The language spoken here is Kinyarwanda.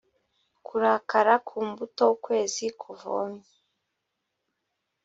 kurakara ku mbuto ukwezi kuvomye